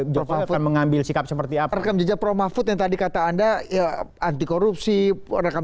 jokowi akan mengambil sikap seperti apa rekam jejak pro mahfud yang tadi kata anda ya anti korupsi rekam